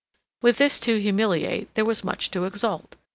With this to humiliate there was much to exalt.